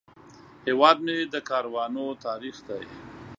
هیواد مې د کاروانو تاریخ دی